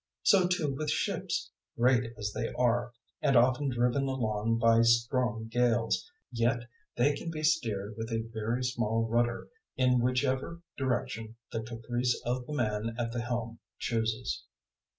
003:004 So too with ships, great as they are, and often driven along by strong gales, yet they can be steered with a very small rudder in whichever direction the caprice of the man at the helm chooses.